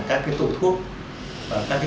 các cái tủ thuốc và các cái